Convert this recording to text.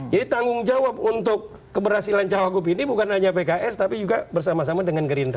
jadi tanggung jawab untuk keberhasilan cawagup ini bukan hanya pks tapi juga bersama sama dengan gerindra